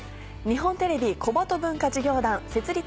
日本テレビ小鳩文化事業団設立